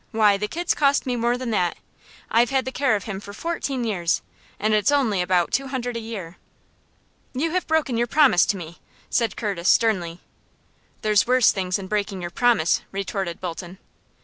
Why, the kid's cost me more than that. I've had the care of him for fourteen years, and it's only about two hundred a year." "You have broken your promise to me!" said Curtis, sternly. "There's worse things than breaking your promise," retorted Bolton.